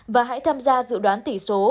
và hãy tham gia dự đoán tỷ số